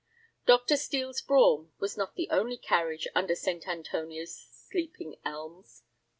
Dr. Steel's brougham was not the only carriage under St. Antonia's sleeping elms.